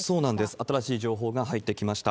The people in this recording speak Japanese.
新しい情報が入ってきました。